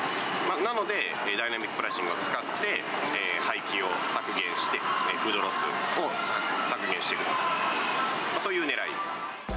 なので、ダイナミックプライシングを使って、廃棄を削減して、フードロスを削減していく、そういうねらいです。